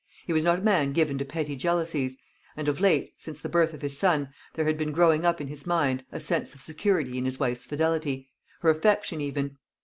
He was not a man given to petty jealousies; and of late, since the birth of his son, there had been growing up in his mind a sense of security in his wife's fidelity her affection even.